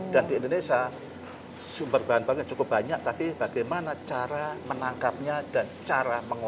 dan di indonesia sumber bahan baku yang cukup banyak tapi bagaimana cara menangkapnya dan cara mengolah